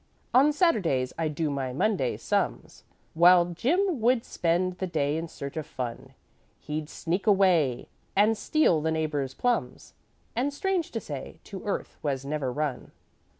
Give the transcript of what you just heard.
"'On Saturdays I'd do my Monday's sums, While Jim would spend the day in search of fun; He'd sneak away and steal the neighbors' plums, And, strange to say, to earth was never run.